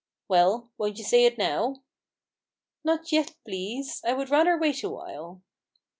"Well! won't you say it now?" "Not yet, pleasel I would rather wait awhile."